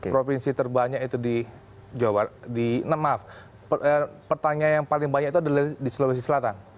provinsi terbanyak itu di jawa barat di maaf pertanyaan yang paling banyak itu adalah di sulawesi selatan